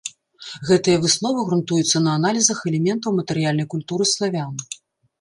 Гэтыя высновы грунтуюцца на аналізах элементаў матэрыяльнай культуры славян.